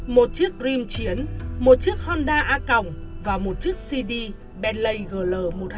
một chiếc rim chiến một chiếc honda a cỏng và một chiếc cd bentley gl một trăm hai mươi năm